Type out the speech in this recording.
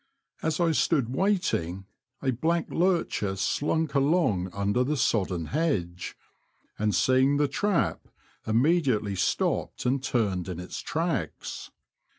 As I stood waiting, a black lurcher slunk along under the sodden hedge, and seeing the trap, immediately stopped and turned in its tracks.